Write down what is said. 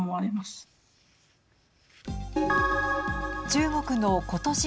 中国のことし